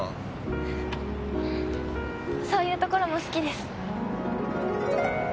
フフッそういうところも好きです。